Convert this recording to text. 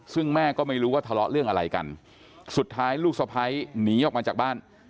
ซึ่งแม่ก็ไม่รู้ว่าทะเลาะเรื่องอะไรกันสุดท้ายลูกสะพ้ายหนีออกมาจากบ้าน